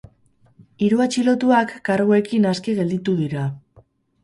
Hiru atxilotuak karguekin aske gelditu dira.